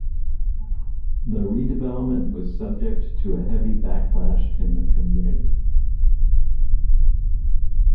The redevelopment was subject to a heavy backlash in the community.